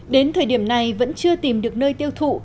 đến thời điểm này vẫn chưa tìm được nơi tiêu thụ